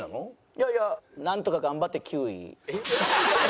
いやいやなんとか頑張って９位。